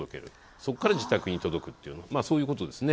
そこから自宅に届くっていうそういうことですね。